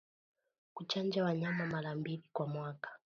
Kuchanja wanyama mara mbili kwa mwaka